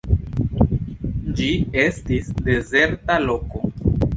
Ĝi estis dezerta loko.